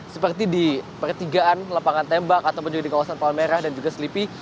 seperti di pertigaan lapangan tembak ataupun juga di kawasan palmerah dan juga selipi